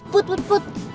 put put put